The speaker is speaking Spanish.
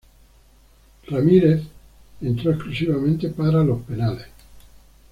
Ramírez entró exclusivamente para los penales.